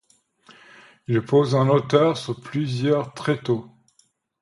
Il est posé en hauteur, sur plusieurs tréteaux.